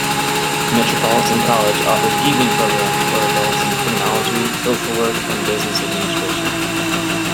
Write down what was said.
Metropolitan College offers evening programs for adults in Criminology, Social Work and Business Administration.